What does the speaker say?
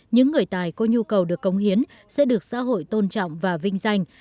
những người tài có nhu cầu được công hiến sẽ được xã hội tôn trọng và vinh danh